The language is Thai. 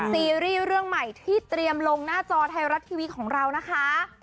ซีรีส์เรื่องใหม่ที่เตรียมลงหน้าจอไทยรัฐทีวีของเรานะคะ